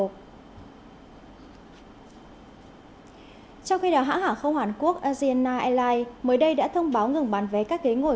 trong khi đào hãng hàng không hoàn quốc asean airlines mới đây đã thông báo ngừng bàn vé các ghế ngồi